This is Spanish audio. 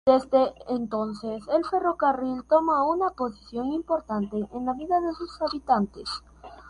Desde entonces, el ferrocarril toma una posición importante en la vida de sus habitantes.